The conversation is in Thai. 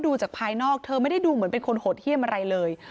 ดูจากภายนอกเธอไม่ได้ดูเหมือนเป็นคนโหดเยี่ยมอะไรเลย